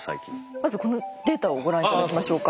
まずこのデータをご覧頂きましょうか。